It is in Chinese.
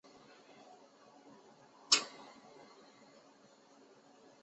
但可提供用于文本处理的信息。